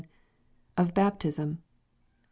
Of Baptism. 28.